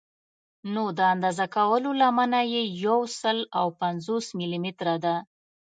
نو د اندازه کولو لمنه یې یو سل او پنځوس ملي متره ده.